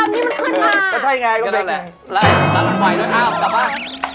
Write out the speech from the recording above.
มันไม่เห็นชื่อเรื่องนี้มันเคลื่อนมา